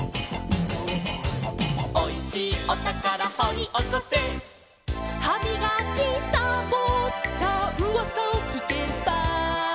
「おいしいおたからほりおこせ」「はみがきさぼったうわさをきけば」